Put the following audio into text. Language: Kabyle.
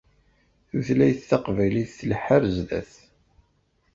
Tutlayt taqbaylit tleḥḥu ar zdat.